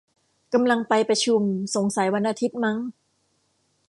กำลังไปประชุม สงสัยวันอาทิตย์มั้ง